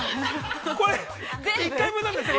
◆これ、１回分なんですか。